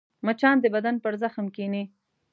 مچان د بدن پر زخم کښېني